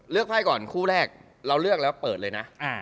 ไพ่ก่อนคู่แรกเราเลือกแล้วเปิดเลยนะ